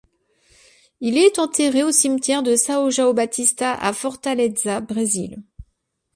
Il est enterré au cimetière de São João Batista à Fortaleza, Brésil.